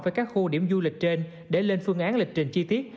với các khu điểm du lịch trên để lên phương án lịch trình chi tiết